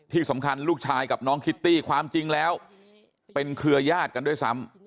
ที่สำคัญลูกชายกับน้องคิตตี้ความจริงแล้วเป็นเครือยาศกันด้วยซ้ำ